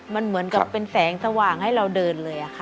มันเหมือนกับเป็นแสงสว่างให้เราเดินเลยค่ะ